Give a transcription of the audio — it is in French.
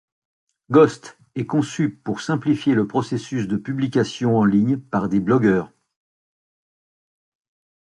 Ghost est conçu pour simplifier le processus de publication en ligne par des blogueurs.